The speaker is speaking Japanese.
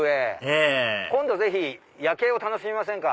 ええ今度夜景を楽しみませんか？